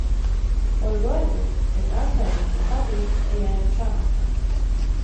Olgu öeldud, et asjatundlik abi ei jäänud saamata.